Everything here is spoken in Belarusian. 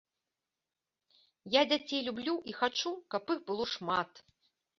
Я дзяцей люблю і хачу, каб іх было шмат.